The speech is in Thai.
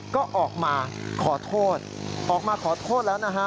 ก็ออกมาขอโทษออกมาขอโทษแล้วนะฮะ